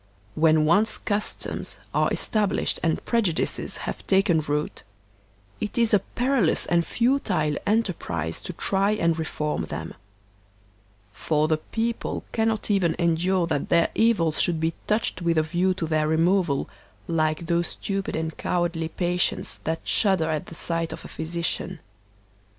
When once customs are established and prejudices have taken root, it is a perilous and futile enterprise to try and re form them; for the people cannot even endure that their evils should be touched with a view to their removal, like those stupid and cowardly patients that shudder at the sight of a physician.